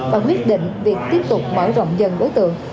và quyết định việc tiếp tục mở rộng dần đối tượng